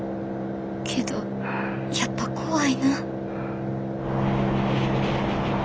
けどやっぱ怖いな。